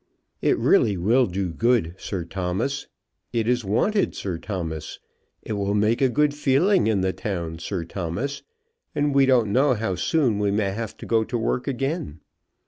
"It really will do good, Sir Thomas." "It is wanted, Sir Thomas." "It will make a good feeling in the town, Sir Thomas, and we don't know how soon we may have to go to work again."